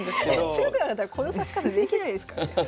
強くなかったらこの指し方できないですからね。